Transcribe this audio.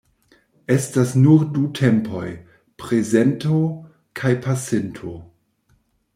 Estas nur du tempoj: prezento kaj pasinto.